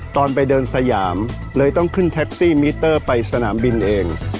ตอนไปเดินสยามเลยต้องขึ้นแท็กซี่มิเตอร์ไปสนามบินเอง